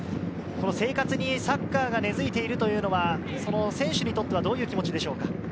生活にサッカーが根づいているというのは選手にとってはどういう気持ちでしょうか？